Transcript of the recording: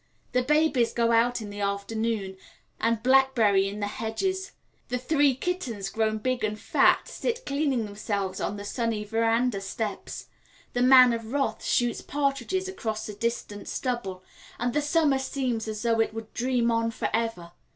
The babies go out in the afternoon and blackberry in the hedges; the three kittens, grown big and fat, sit cleaning themselves on the sunny verandah steps; the Man of Wrath shoots partridges across the distant stubble; and the summer seems as though it would dream on for ever.